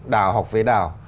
đào học với đào